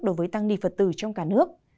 đối với tăng ni phật tử trong cả nước